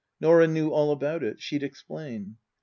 Norah knew all about it. She'd explain.